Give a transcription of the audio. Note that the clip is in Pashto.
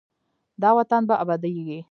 دا وطن به ابادیږي.